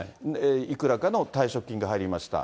いくらかの退職金が入りました。